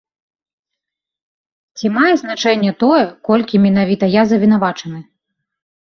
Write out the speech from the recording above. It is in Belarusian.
Ці мае значэнне тое, колькі менавіта я завінавачаны?